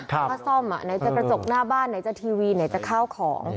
ถ้าซ่อมไหนจะกระจกหน้าบ้านไหนจะทีวีไหนจะข้าวของ